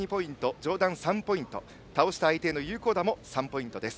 上段が３ポイント倒した相手への有効打も３ポイントです。